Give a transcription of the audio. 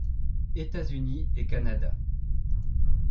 États-Unis et Canada.